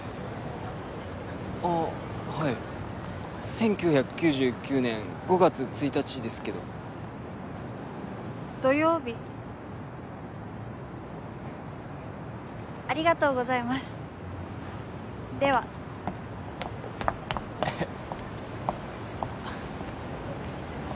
あっはい１９９９年５月１日ですけど土曜日ありがとうございますではえっ？